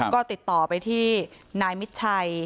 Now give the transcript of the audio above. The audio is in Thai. ก็ติดต่อไปที่นายมิดชัย